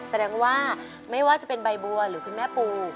แสดงว่าไม่ว่าจะเป็นใบบัวหรือคุณแม่ปู